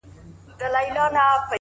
د کار ارزښت په پایله نه محدودېږي!